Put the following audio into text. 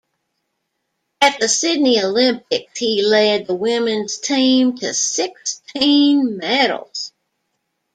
At the Sydney Olympics he led the women's team to sixteen medals.